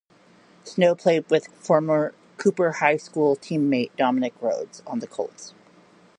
Snow played with former Cooper High School teammate Dominic Rhodes on the Colts.